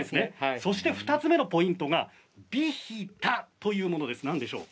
そして２つ目のポイントがビヒタというものです。